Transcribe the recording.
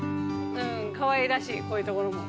かわいらしいこういうところも。